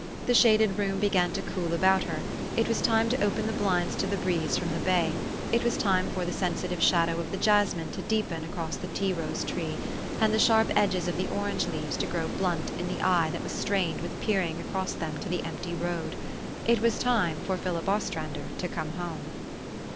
The shaded room began to cool about her ; it was time to open the blinds to the breeze from the bay ; it was time for the sensi THE STORY OF AVIS. 431 tive shadow of the jasmine to deepen across the tea rose tree, and the sharp edges of the orange leaves to grow blunt to the eye that was strained with peering across them to the empty road it was time for Philip Ostrander to come home.